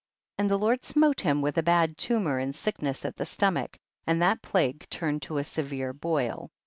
36. And the Lord smote him with a bad tumor and sickness at the stomach, and that plague turned to a severe boil.